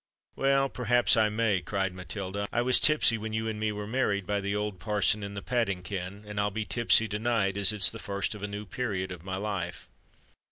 "Well—perhaps I may," cried Matilda. "I was tipsy when you and me were married by the old parson in the padding ken; and I'll be tipsy to night, as it's the first of a new period of my life."